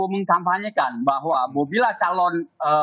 mengkampanyekan bahwa bobi lah calon